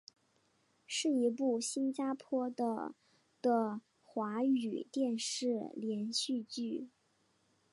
是一部新加坡的的华语电视连续剧。